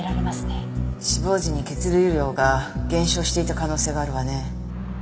死亡時に血流量が減少していた可能性があるわね。